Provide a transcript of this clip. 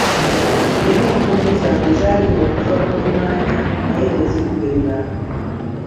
Nina enkumbi zange zaalima okuva ku mimaanya naye teziggwereranga.